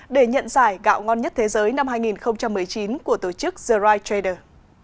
để nhận giải gạo ngon nhất thế giới năm hai nghìn một mươi chín của tổ chức the ry trader